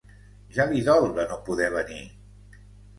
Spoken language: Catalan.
Ja li dol, de no poder venir!